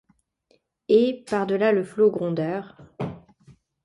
Et, par delà le flot grondeur